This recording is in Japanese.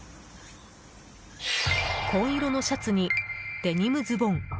紺色のシャツにデニムズボン。